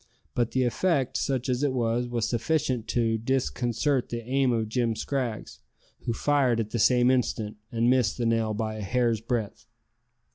But the effect, such as it was, was sufficient to disconcert the aim of Jim Scraggs, who fired at the same instant, and missed the nail by a hair's breadth.